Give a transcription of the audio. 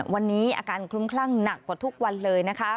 วันนี้อาการคลุ้มคลั่งหนักกว่าทุกวันเลยนะคะ